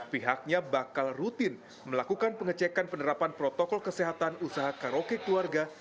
pihaknya bakal rutin melakukan pengecekan penerapan protokol kesehatan usaha karaoke keluarga